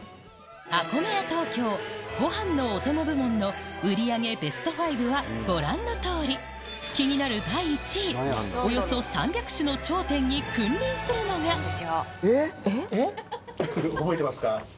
ＡＫＯＭＥＹＡＴＯＫＹＯご飯のお供部門の売り上げベスト５はご覧の通り気になる第１位およそ３００種の頂点に君臨するのが覚えてますか？